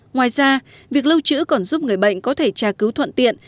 ngoài ra việc lưu trữ còn giúp người bệnh có thể tra cứu thuận tiện